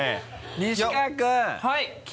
西川君！